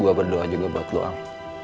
gue berdoa juga buat lo ang